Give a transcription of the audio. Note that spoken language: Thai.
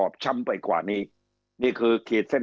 คำอภิปรายของสอสอพักเก้าไกลคนหนึ่ง